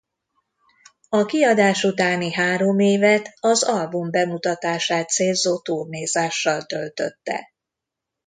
A kiadás utáni három évet az album bemutatását célzó turnézással töltötte.